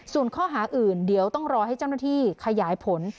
ส่วนข้อหาอื่นเดี๋ยวต้องรอให้เจ้าหน้าที่ขยายผล